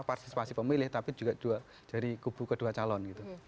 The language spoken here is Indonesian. partisipasi pemilih tapi juga dari kubu kedua calon gitu